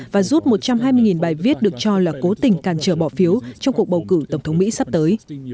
và rút một trăm hai mươi bài viết được cho là cố tình càn trở bỏ phiếu trong cuộc bầu cử tổng thống mỹ sắp tới